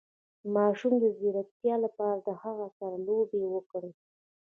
د ماشوم د ځیرکتیا لپاره له هغه سره لوبې وکړئ